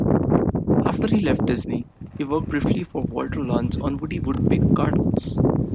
After he left Disney, he worked briefly for Walter Lantz on Woody Woodpecker cartoons.